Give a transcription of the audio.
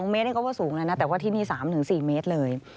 เมตรนี่ก็ว่าสูงแล้วนะแต่ว่าที่นี่๓๔เมตรเลย